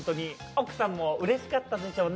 奥さんもうれしかったでしょうね